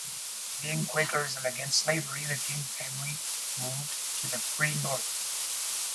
Being Quakers and against slavery, the King family moved to the free North.